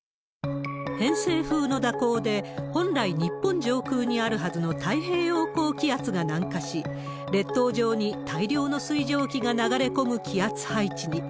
偏西風の蛇行で本来、日本上空にあるはずの太平洋高気圧が南下し、列島上に大量の水蒸気が流れ込む気圧配置に。